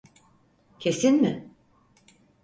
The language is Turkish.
Kesin mi?